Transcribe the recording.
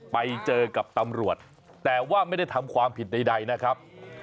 ไปเจอกับตำรวจแต่ว่าไม่ได้ทำความผิดใดนะครับ